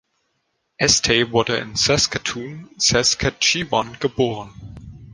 Estey wurde in Saskatoon, Saskatchewan, geboren.